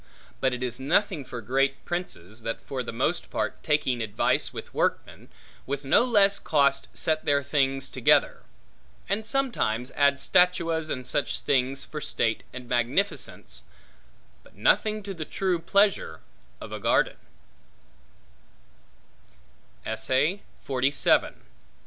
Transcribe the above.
But it is nothing for great princes, that for the most part taking advice with workmen, with no less cost set their things together; and sometimes add statuas and such things for state and magnificence, but nothing to the true pleasure of a garden.